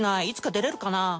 いつか出れるかな。